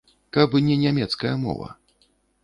Каб не нямецкая мова.